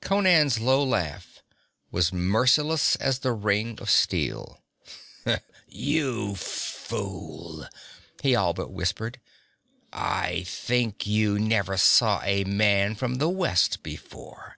Conan's low laugh was merciless as the ring of steel. 'You fool!' he all but whispered. 'I think you never saw a man from the West before.